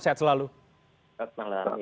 selamat malam sehat selalu